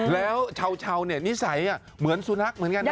แล้วเช้าเนี่ยนิสัยเหมือนสุรรักษณ์เหมือนกันนะ